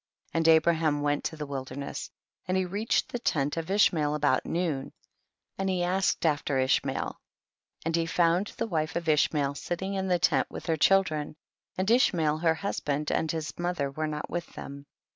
24. And Abraham went to the wilderness, and he reached the tent of Ishmael about noon, and he asked after Ishmael, and he found the wife of Ishmael sitting in the tent with her children, and Ishmael her husband and his mother were not with them.